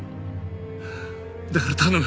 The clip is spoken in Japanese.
だから頼む。